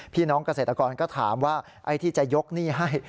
พี่น้องเกษตรกรก็ถามว่าไอ้ที่จะยกหนี้ให้